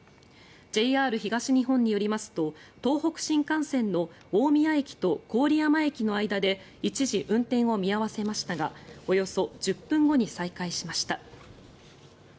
ＪＲ東日本によりますと東北新幹線の大宮駅と郡山駅の間で一時運転を見合わせましたがおよそ１０分後に再開しました。